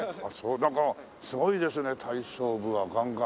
なんかすごいですね体操部はガンガン。